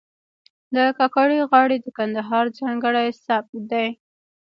د کاکړۍ غاړې د کندهار ځانګړی سبک دی.